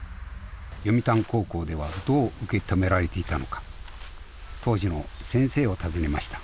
読谷高校ではどう受け止められていたのか当時の先生を訪ねました。